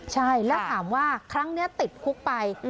ใช่แล้วถามว่าครั้งนี้ติดคุกไป